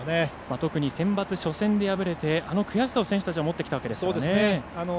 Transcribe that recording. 特にセンバツ初戦で敗れてあの悔しさを選手たちは持ってきたわけですから。